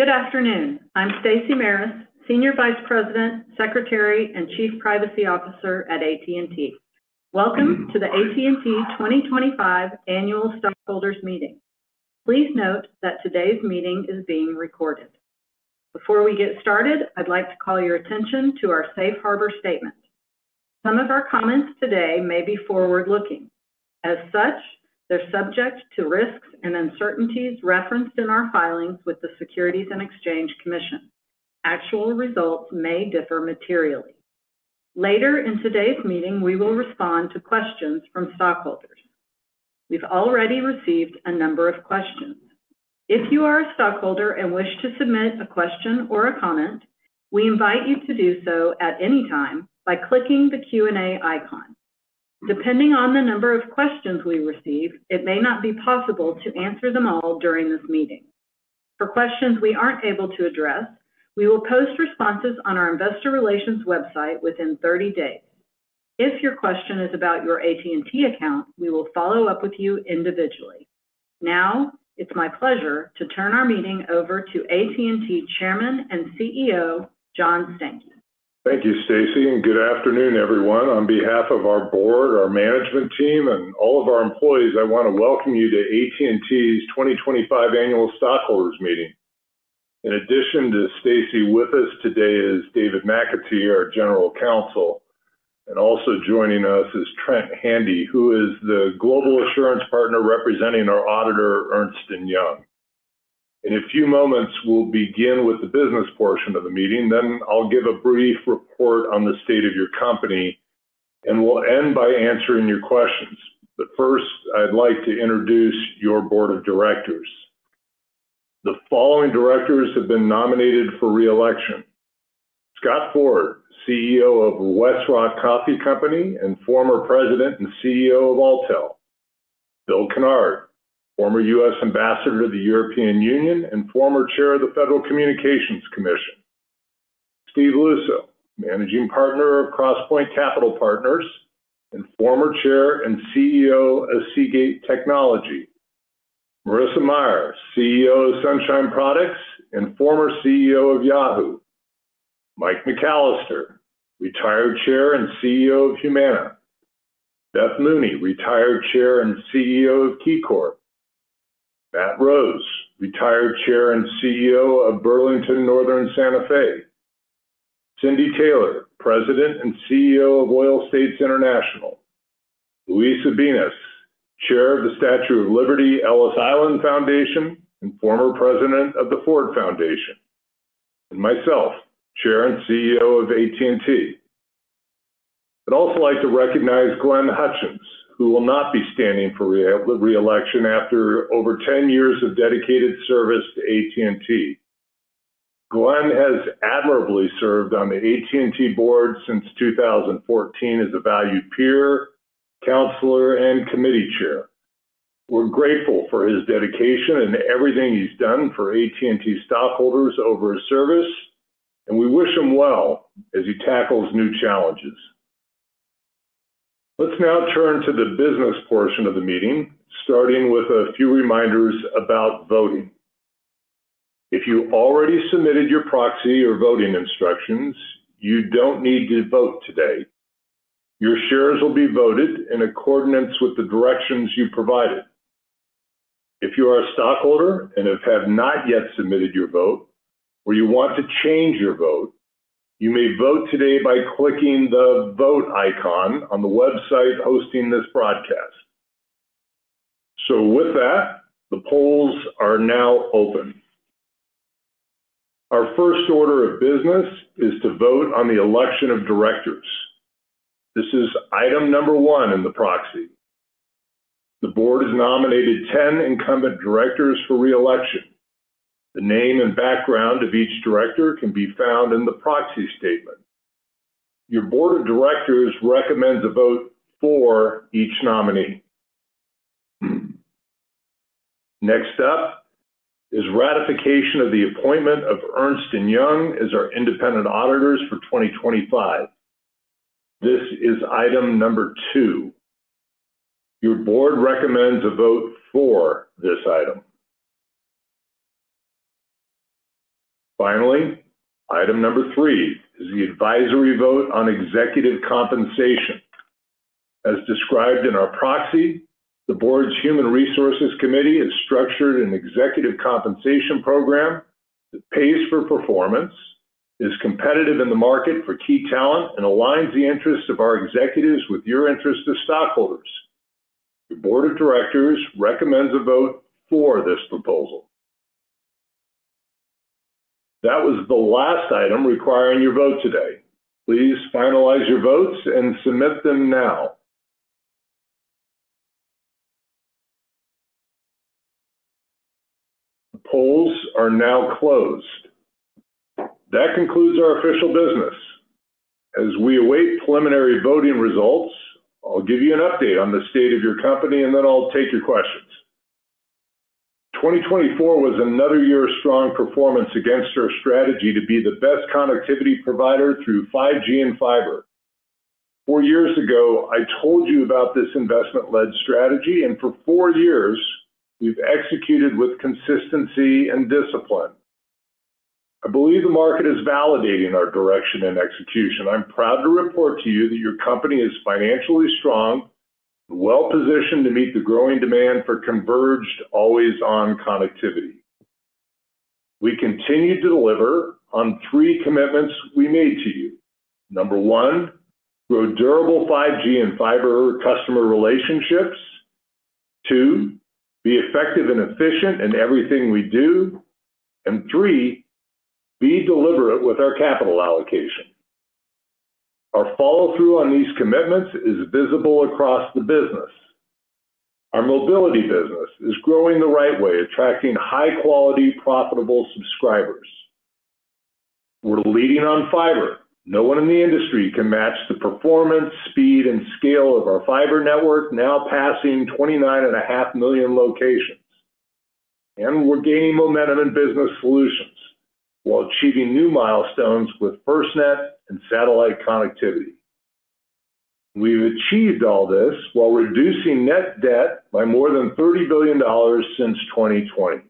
Good afternoon. I'm Stacey Maris, Senior Vice President, Secretary, and Chief Privacy Officer at AT&T. Welcome to the AT&T 2025 Annual Stockholders Meeting. Please note that today's meeting is being recorded. Before we get started, I'd like to call your attention to our Safe Harbor Statement. Some of our comments today may be forward-looking. As such, they're subject to risks and uncertainties referenced in our filings with the Securities and Exchange Commission. Actual results may differ materially. Later in today's meeting, we will respond to questions from stockholders. We've already received a number of questions. If you are a stockholder and wish to submit a question or a comment, we invite you to do so at any time by clicking the Q&A icon. Depending on the number of questions we receive, it may not be possible to answer them all during this meeting. For questions we are not able to address, we will post responses on our Investor Relations website within 30 days. If your question is about your AT&T account, we will follow up with you individually. Now, it is my pleasure to turn our meeting over to AT&T Chairman and CEO John Stankey. Thank you, Stacey, and good afternoon, everyone. On behalf of our board, our management team, and all of our employees, I want to welcome you to AT&T's 2025 Annual Stockholders Meeting. In addition to Stacey, with us today is David McAtee, our General Counsel, and also joining us is Trent Handy, who is the Global Assurance Partner representing our auditor, Ernst & Young. In a few moments, we'll begin with the business portion of the meeting. Then I'll give a brief report on the state of your company, and we'll end by answering your questions. First, I'd like to introduce your Board of Directors. The following directors have been nominated for reelection: Scott Ford, CEO of Westrock Coffee Company and former President and CEO of Alltel; Bill Kennard, former U.S. Ambassador to the European Union and former Chair of the Federal Communications Commission; Steve Luczo, Managing Partner of Cross Point Capital Partners and former Chair and CEO of Seagate Technology; Marissa Mayer, CEO of Sunshine Products and former CEO of Yahoo; Michael McCallister, retired Chair and CEO of Humana; Beth Mooney, retired Chair and CEO of KeyCorp; Matt Rose, retired Chair and CEO of Burlington Northern Santa Fe; Cindy Taylor, President and CEO of Oil States International; Luis Ubiñas, Chair of the Statue of Liberty Ellis Island Foundation and former President of the Ford Foundation; and myself, Chair and CEO of AT&T. I'd also like to recognize Glenn Hutchins, who will not be standing for reelection after over 10 years of dedicated service to AT&T. Glenn has admirably served on the AT&T board since 2014 as a valued peer, counselor, and committee chair. We're grateful for his dedication and everything he's done for AT&T stockholders over his service, and we wish him well as he tackles new challenges. Let's now turn to the business portion of the meeting, starting with a few reminders about voting. If you already submitted your proxy or voting instructions, you don't need to vote today. Your shares will be voted in accordance with the directions you provided. If you are a stockholder and have not yet submitted your vote, or you want to change your vote, you may vote today by clicking the Vote icon on the website hosting this broadcast. With that, the polls are now open. Our first order of business is to vote on the election of directors. This is item number one in the proxy. The board has nominated 10 incumbent directors for reelection. The name and background of each director can be found in the proxy statement. Your Board of Directors recommends a vote for each nominee. Next up is ratification of the appointment of Ernst & Young as our independent auditors for 2025. This is item number two. Your board recommends a vote for this item. Finally, item number three is the advisory vote on executive compensation. As described in our proxy, the board's Human Resources Committee has structured an executive compensation program that pays for performance, is competitive in the market for key talent, and aligns the interests of our executives with your interests as stockholders. Your Board of Directors recommends a vote for this proposal. That was the last item requiring your vote today. Please finalize your votes and submit them now. The polls are now closed. That concludes our official business. As we await preliminary voting results, I'll give you an update on the state of your company, and then I'll take your questions. 2024 was another year of strong performance against our strategy to be the best connectivity provider through 5G and fiber. Four years ago, I told you about this investment-led strategy, and for four years, we've executed with consistency and discipline. I believe the market is validating our direction and execution. I'm proud to report to you that your company is financially strong and well-positioned to meet the growing demand for converged, always-on connectivity. We continue to deliver on three commitments we made to you. Number one, grow durable 5G and fiber customer relationships; two, be effective and efficient in everything we do; and three, be deliberate with our capital allocation. Our follow-through on these commitments is visible across the business. Our mobility business is growing the right way, attracting high-quality, profitable subscribers. We are leading on fiber. No one in the industry can match the performance, speed, and scale of our fiber network, now passing 29.5 million locations. We are gaining momentum in business solutions while achieving new milestones with FirstNet and satellite connectivity. We have achieved all this while reducing net debt by more than $30 billion since 2020.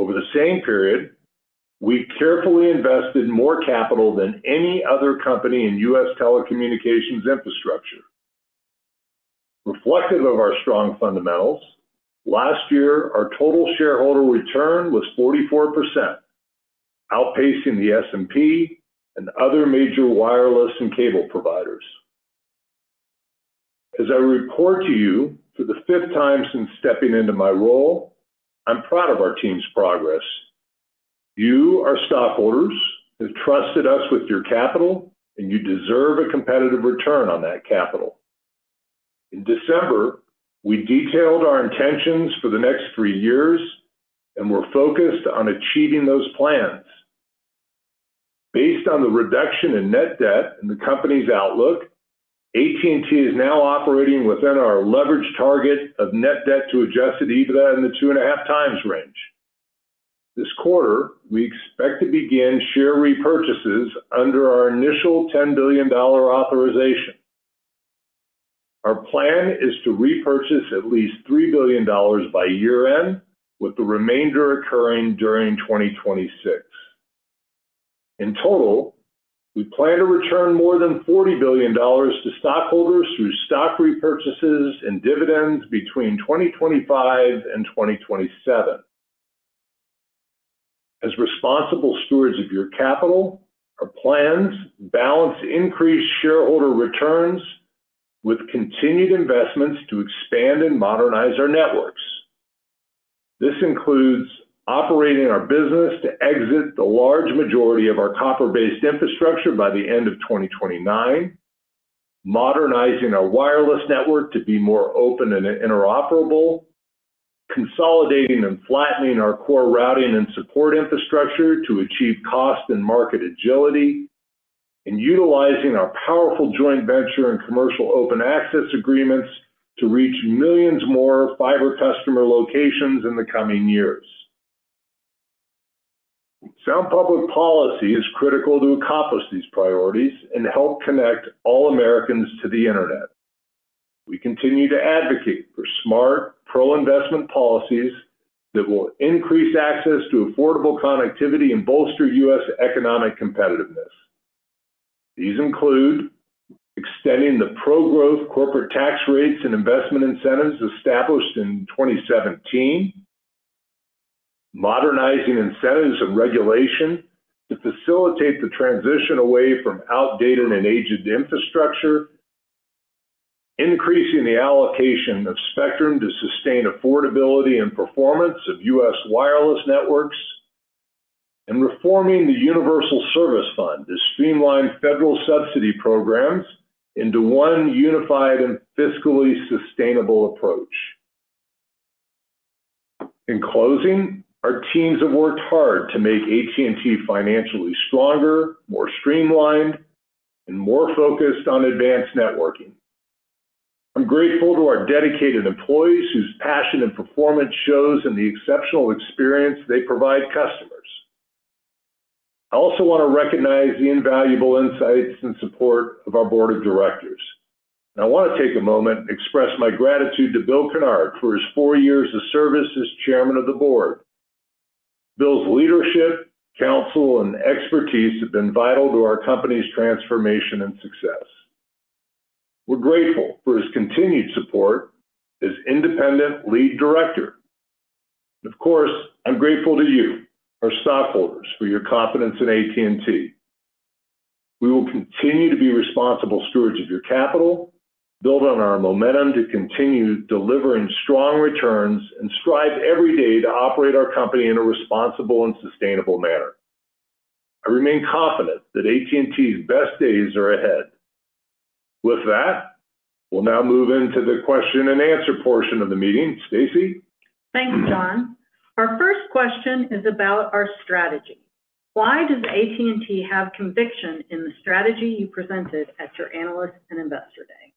Over the same period, we carefully invested more capital than any other company in U.S. telecommunications infrastructure. Reflective of our strong fundamentals, last year, our total shareholder return was 44%, outpacing the S&P and other major wireless and cable providers. As I report to you, for the fifth time since stepping into my role, I am proud of our team's progress. You, our stockholders, have trusted us with your capital, and you deserve a competitive return on that capital. In December, we detailed our intentions for the next three years, and we're focused on achieving those plans. Based on the reduction in net debt and the company's outlook, AT&T is now operating within our leverage target of net debt to adjusted EBITDA in the 2.5x range. This quarter, we expect to begin share repurchases under our initial $10 billion authorization. Our plan is to repurchase at least $3 billion by year-end, with the remainder occurring during 2026. In total, we plan to return more than $40 billion to stockholders through stock repurchases and dividends between 2025 and 2027. As responsible stewards of your capital, our plans balance increased shareholder returns with continued investments to expand and modernize our networks. This includes operating our business to exit the large majority of our copper-based infrastructure by the end of 2029, modernizing our wireless network to be more open and interoperable, consolidating and flattening our core routing and support infrastructure to achieve cost and market agility, and utilizing our powerful joint venture and commercial open access agreements to reach millions more fiber customer locations in the coming years. Sound public policy is critical to accomplish these priorities and help connect all Americans to the internet. We continue to advocate for smart, pro-investment policies that will increase access to affordable connectivity and bolster U.S. economic competitiveness. These include extending the pro-growth corporate tax rates and investment incentives established in 2017, modernizing incentives and regulation to facilitate the transition away from outdated and aged infrastructure, increasing the allocation of spectrum to sustain affordability and performance of U.S. wireless networks, and reforming the Universal Service Fund to streamline federal subsidy programs into one unified and fiscally sustainable approach. In closing, our teams have worked hard to make AT&T financially stronger, more streamlined, and more focused on advanced networking. I'm grateful to our dedicated employees whose passion and performance shows in the exceptional experience they provide customers. I also want to recognize the invaluable insights and support of our Board of Directors. I want to take a moment and express my gratitude to Bill Kennard for his four years of service as Chairman of the Board. Bill's leadership, counsel, and expertise have been vital to our company's transformation and success. We're grateful for his continued support as independent lead director. Of course, I'm grateful to you, our stockholders, for your confidence in AT&T. We will continue to be responsible stewards of your capital, build on our momentum to continue delivering strong returns, and strive every day to operate our company in a responsible and sustainable manner. I remain confident that AT&T's best days are ahead. With that, we'll now move into the question and answer portion of the meeting. Stacey? Thanks, John. Our first question is about our strategy. Why does AT&T have conviction in the strategy you presented at your Analysts and Investor Day?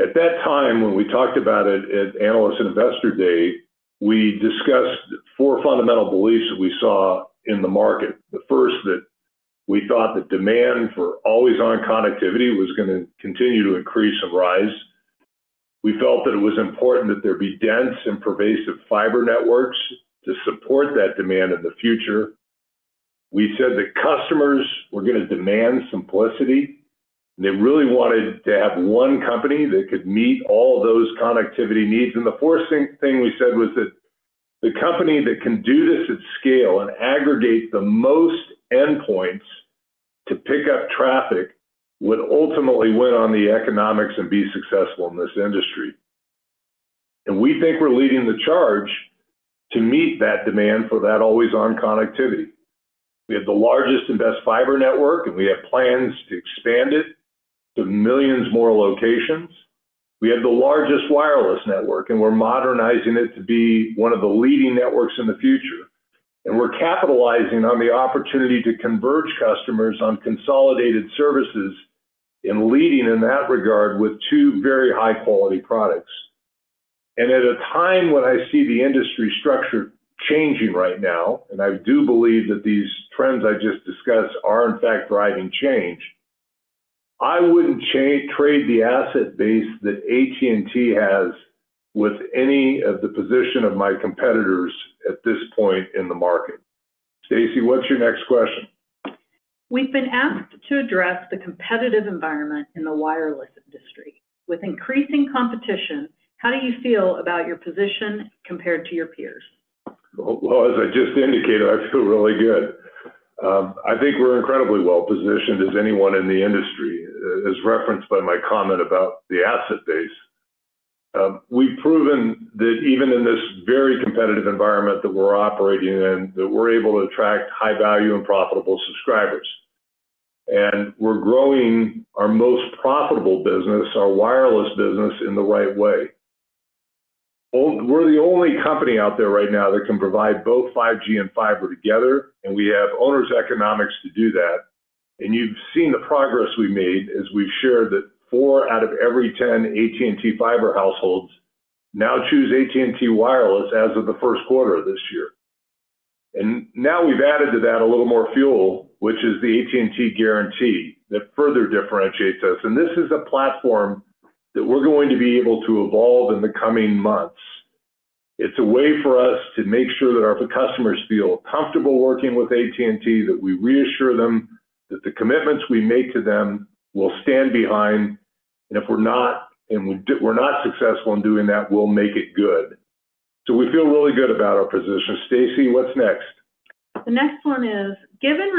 At that time, when we talked about it at Analysts and Investor Day, we discussed four fundamental beliefs that we saw in the market. The first, that we thought the demand for always-on connectivity was going to continue to increase and rise. We felt that it was important that there be dense and pervasive fiber networks to support that demand in the future. We said that customers were going to demand simplicity, and they really wanted to have one company that could meet all those connectivity needs. The fourth thing we said was that the company that can do this at scale and aggregate the most endpoints to pick up traffic would ultimately win on the economics and be successful in this industry. We think we're leading the charge to meet that demand for that always-on connectivity. We have the largest and best fiber network, and we have plans to expand it to millions more locations. We have the largest wireless network, and we are modernizing it to be one of the leading networks in the future. We are capitalizing on the opportunity to converge customers on consolidated services and leading in that regard with two very high-quality products. At a time when I see the industry structure changing right now, and I do believe that these trends I just discussed are, in fact, driving change, I would not trade the asset base that AT&T has with any of the position of my competitors at this point in the market. Stacey, what's your next question? We've been asked to address the competitive environment in the wireless industry. With increasing competition, how do you feel about your position compared to your peers? As I just indicated, I feel really good. I think we're incredibly well-positioned as anyone in the industry, as referenced by my comment about the asset base. We've proven that even in this very competitive environment that we're operating in, that we're able to attract high-value and profitable subscribers. We're growing our most profitable business, our wireless business, in the right way. We're the only company out there right now that can provide both 5G and fiber together, and we have owner's economics to do that. You've seen the progress we made as we've shared that four out of every 10 AT&T fiber households now choose AT&T wireless as of the first quarter of this year. We've added to that a little more fuel, which is the AT&T guarantee that further differentiates us. This is a platform that we're going to be able to evolve in the coming months. It's a way for us to make sure that our customers feel comfortable working with AT&T, that we reassure them that the commitments we make to them will stand behind. If we're not successful in doing that, we'll make it good. We feel really good about our position. Stacey, what's next? The next one is, given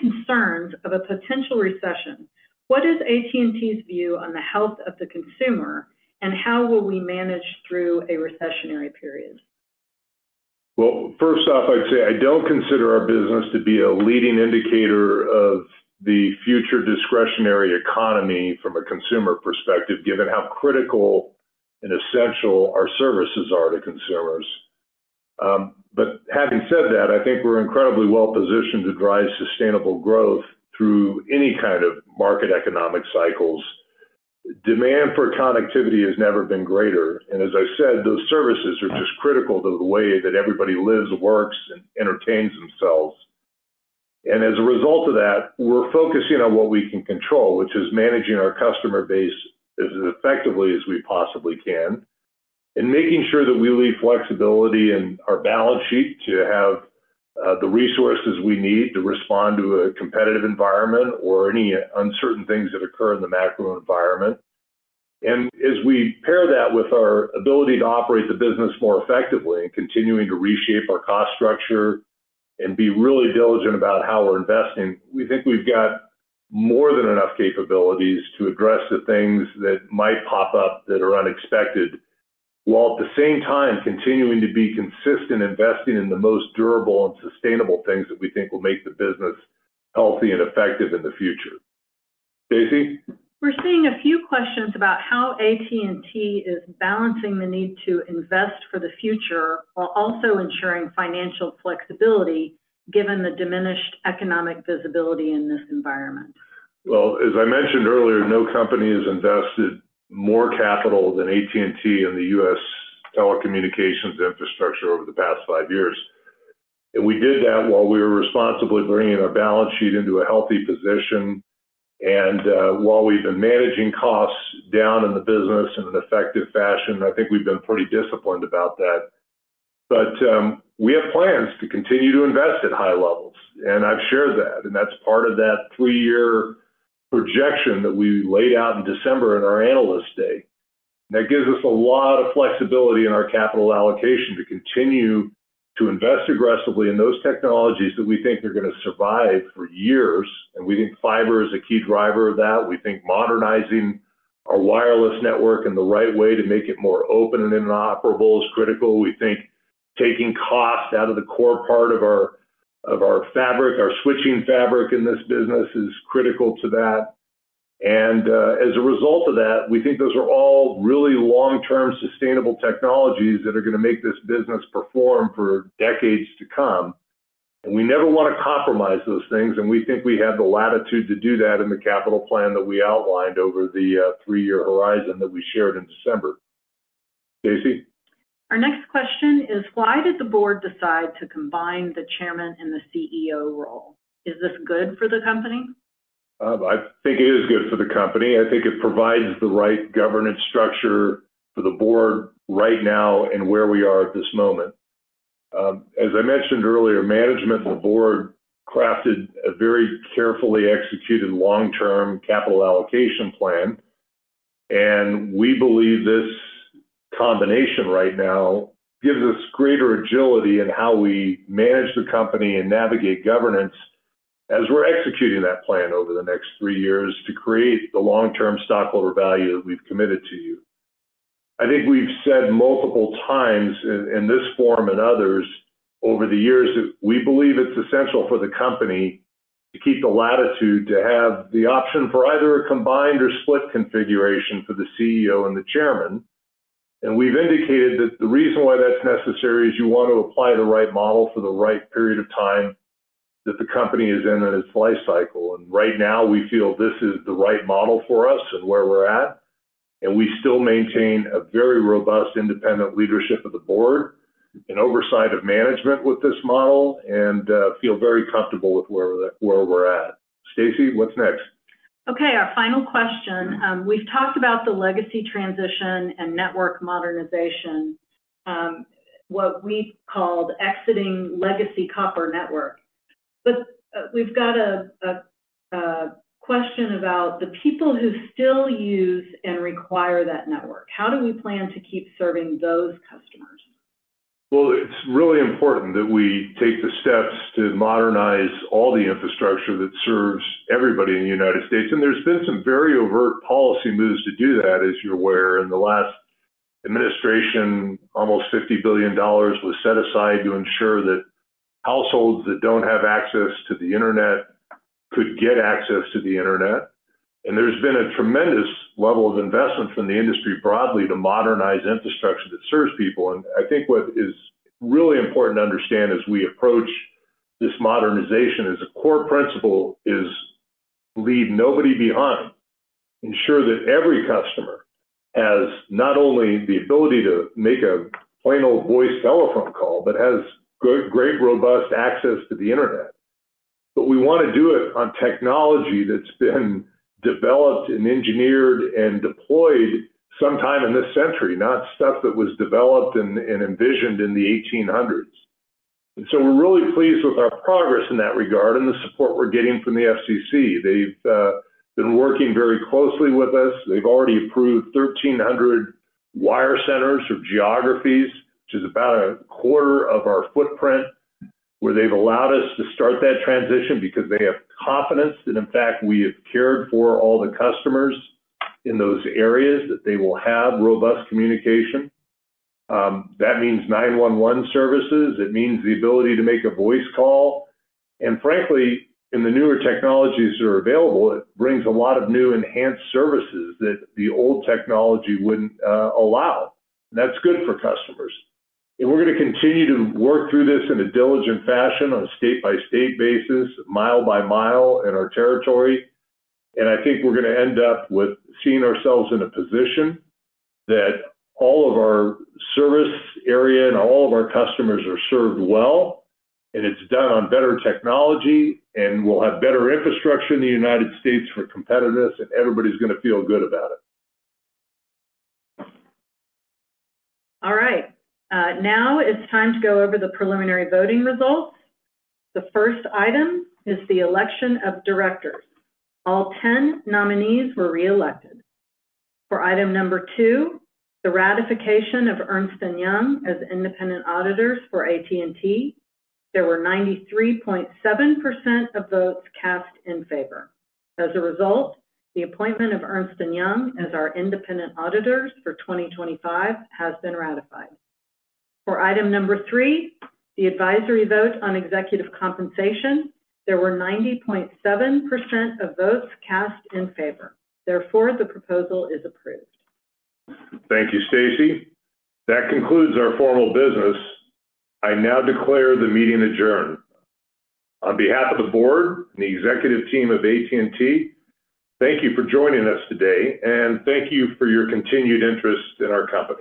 concerns of a potential recession, what is AT&T's view on the health of the consumer, and how will we manage through a recessionary period? First off, I'd say I don't consider our business to be a leading indicator of the future discretionary economy from a consumer perspective, given how critical and essential our services are to consumers. Having said that, I think we're incredibly well-positioned to drive sustainable growth through any kind of market economic cycles. Demand for connectivity has never been greater. As I said, those services are just critical to the way that everybody lives, works, and entertains themselves. As a result of that, we're focusing on what we can control, which is managing our customer base as effectively as we possibly can and making sure that we leave flexibility in our balance sheet to have the resources we need to respond to a competitive environment or any uncertain things that occur in the macro environment. As we pair that with our ability to operate the business more effectively and continuing to reshape our cost structure and be really diligent about how we're investing, we think we've got more than enough capabilities to address the things that might pop up that are unexpected while at the same time continuing to be consistent investing in the most durable and sustainable things that we think will make the business healthy and effective in the future. Stacey? We're seeing a few questions about how AT&T is balancing the need to invest for the future while also ensuring financial flexibility given the diminished economic visibility in this environment. As I mentioned earlier, no company has invested more capital than AT&T in the U.S. telecommunications infrastructure over the past five years. We did that while we were responsibly bringing our balance sheet into a healthy position. While we've been managing costs down in the business in an effective fashion, I think we've been pretty disciplined about that. We have plans to continue to invest at high levels. I've shared that. That is part of that three-year projection that we laid out in December in our Analysts Day. That gives us a lot of flexibility in our capital allocation to continue to invest aggressively in those technologies that we think are going to survive for years. We think fiber is a key driver of that. We think modernizing our wireless network in the right way to make it more open and interoperable is critical. We think taking cost out of the core part of our fabric, our switching fabric in this business, is critical to that. As a result of that, we think those are all really long-term sustainable technologies that are going to make this business perform for decades to come. We never want to compromise those things. We think we have the latitude to do that in the capital plan that we outlined over the three-year horizon that we shared in December. Stacey? Our next question is, why did the board decide to combine the Chairman and the CEO role? Is this good for the company? I think it is good for the company. I think it provides the right governance structure for the board right now and where we are at this moment. As I mentioned earlier, management and the board crafted a very carefully executed long-term capital allocation plan. We believe this combination right now gives us greater agility in how we manage the company and navigate governance as we're executing that plan over the next three years to create the long-term stockholder value that we've committed to you. I think we've said multiple times in this forum and others over the years that we believe it's essential for the company to keep the latitude to have the option for either a combined or split configuration for the CEO and the Chairman. We have indicated that the reason why that's necessary is you want to apply the right model for the right period of time that the company is in in its life cycle. Right now, we feel this is the right model for us and where we're at. We still maintain a very robust independent leadership of the board and oversight of management with this model and feel very comfortable with where we're at. Stacey, what's next? Okay. Our final question. We've talked about the legacy transition and network modernization, what we've called exiting legacy copper network. We've got a question about the people who still use and require that network. How do we plan to keep serving those customers? It is really important that we take the steps to modernize all the infrastructure that serves everybody in the United States. There have been some very overt policy moves to do that, as you are aware. In the last administration, almost $50 billion was set aside to ensure that households that do not have access to the internet could get access to the internet. There has been a tremendous level of investment from the industry broadly to modernize infrastructure that serves people. I think what is really important to understand as we approach this modernization as a core principle is leave nobody behind, ensure that every customer has not only the ability to make a plain old voice telephone call but has great, robust access to the internet. We want to do it on technology that's been developed and engineered and deployed sometime in this century, not stuff that was developed and envisioned in the 1800s. We are really pleased with our progress in that regard and the support we're getting from the FCC. They've been working very closely with us. They've already approved 1,300 wire centers or geographies, which is about a quarter of our footprint, where they've allowed us to start that transition because they have confidence that, in fact, we have cared for all the customers in those areas, that they will have robust communication. That means 911 services. It means the ability to make a voice call. Frankly, in the newer technologies that are available, it brings a lot of new enhanced services that the old technology wouldn't allow. That is good for customers. We're going to continue to work through this in a diligent fashion on a state-by-state basis, mile by mile in our territory. I think we're going to end up with seeing ourselves in a position that all of our service area and all of our customers are served well, and it's done on better technology, and we'll have better infrastructure in the United States for competitiveness, and everybody's going to feel good about it. All right. Now it's time to go over the preliminary voting results. The first item is the election of directors. All 10 nominees were reelected. For item number two, the ratification of Ernst & Young as independent auditors for AT&T, there were 93.7% of votes cast in favor. As a result, the appointment of Ernst & Young as our independent auditors for 2025 has been ratified. For item number three, the advisory vote on executive compensation, there were 90.7% of votes cast in favor. Therefore, the proposal is approved. Thank you, Stacey. That concludes our formal business. I now declare the meeting adjourned. On behalf of the board and the executive team of AT&T, thank you for joining us today. Thank you for your continued interest in our company.